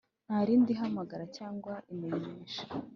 Nta rindi hamagara cyangwa imenyesha